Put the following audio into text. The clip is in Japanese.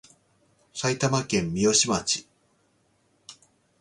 埼玉県三芳町